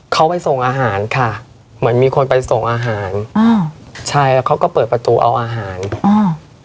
เขาไปส่งอาหารค่ะเหมือนมีคนไปส่งอาหารอ่าใช่แล้วเขาก็เปิดประตูเอาอาหารอ่า